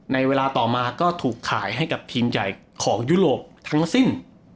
ในเวลาต่อมาก็ถูกขายให้กับทีมใหญ่ของยุโรปทั้งสิ้น